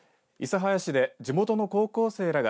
諫早市で地元の高校生らが